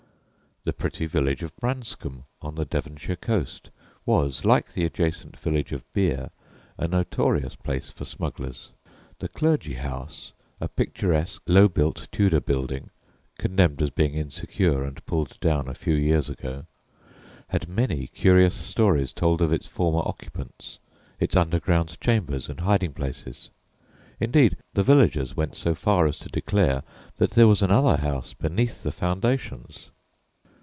The pretty village of Branscombe, on the Devonshire coast, was, like the adjacent village of Beer, a notorious place for smugglers. "The Clergy House," a picturesque, low built Tudor building (condemned as being insecure and pulled down a few years ago), had many mysterious stories told of its former occupants, its underground chambers and hiding places; indeed, the villagers went so far as to declare that there was another house beneath the foundations!